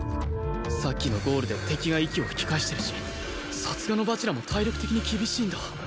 さっきのゴールで敵が息を吹き返してるしさすがの蜂楽も体力的に厳しいんだ